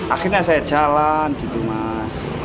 akhirnya saya jalan gitu mas